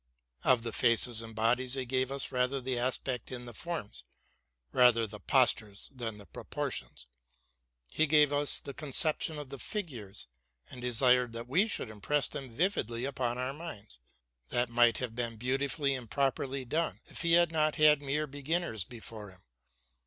Of the faces and bodies he gave us rather the aspect than the forms, rather the postures than the proportions. He gave us the concep tions of the figures, and desired that we should impress them vividly upon our minds. That might have been beautifully and properly done, if he had not had mere beginners before him.